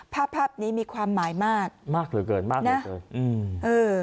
ภาพภาพนี้มีความหมายมากมากเหลือเกินมากเหลือเกินอืมเออ